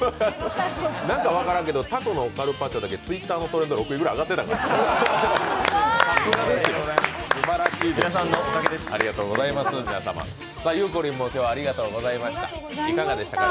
何かわからないけど、たこのカルパッチョだけＴｗｉｔｔｅｒのトレンド６位ぐらいに上がってたから。